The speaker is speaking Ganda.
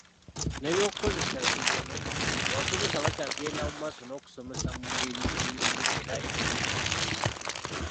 N'ebyokukozesa ebitono, abasomesa bakyagenda mu maaso n'okusomesa mu ngeri ennyuvu era ennungi.